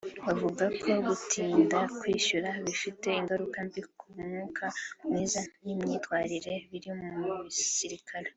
Bavuga ko gutinda kwishyurwa bifite ingaruka mbi ku mwuka mwiza n’imyitwarire biri mu basirikare